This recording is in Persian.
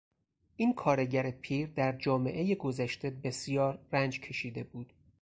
این کارگر پیر در جامعهٔ گذشته بسیار رنج کشیده بود.